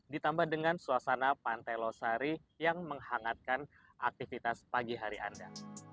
ditambah dengan suasana pantai losari yang menghangatkan aktivitas pagi hari anda